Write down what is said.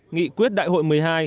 nghị quyết đại hội một mươi hai